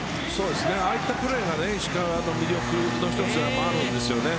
ああいったプレーが石川の魅力の１つでもあるんですね。